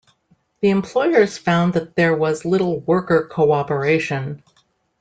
The employers found that there was little worker co-operation.